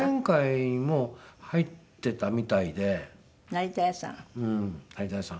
成田屋さん。